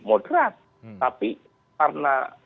moderat tapi karena